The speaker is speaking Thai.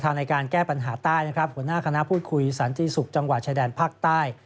ในการแก้ปัญหาใต้นะครับหัวหน้าคณะพูดคุยสันติศุกร์จังหวัดชายแดนภาคใต้